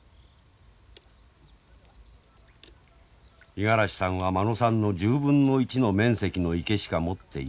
五十嵐さんは間野さんの１０分の１の面積の池しか持っていません。